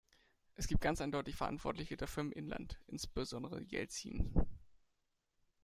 Es gibt ganz eindeutig Verantwortliche dafür im Inland, insbesondere Jelzin.